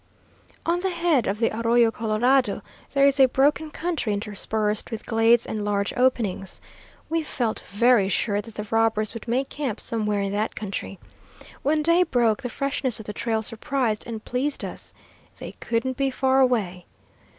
"On the head of the Arroyo Colorado there is a broken country interspersed with glades and large openings. We felt very sure that the robbers would make camp somewhere in that country. When day broke the freshness of the trail surprised and pleased us. They couldn't be far away.